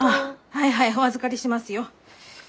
はいはいお預かりしますよ。おみかん？